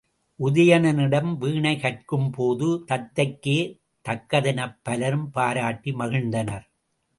உதயணனிடம் வீணை கற்கும்பேறு தத்தைக்கே தக்கதெனப் பலரும் பாராட்டி மகிழ்ந்தனர்.